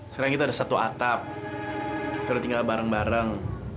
sekarang kita ada satu atap terus tinggal bareng bareng